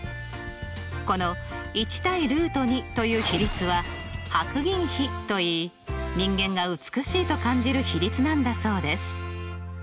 この１対という比率は白銀比といい人間が美しいと感じる比率なんだそうです。